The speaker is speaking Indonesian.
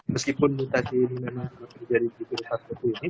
meskipun mutasi ini memang terjadi di titik titik ini